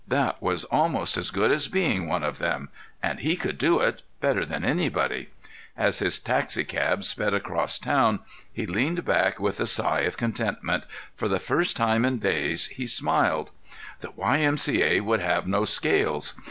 That was almost as good as being one of them. And he could do it—better than anybody. As his taxicab sped across town he leaned back with a sigh of contentment; for the first time in days he smiled. The Y. M. C. A. would have no scales!